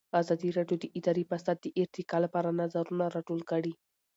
ازادي راډیو د اداري فساد د ارتقا لپاره نظرونه راټول کړي.